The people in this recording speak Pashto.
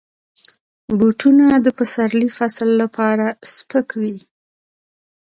بوټونه د پسرلي فصل لپاره سپک وي.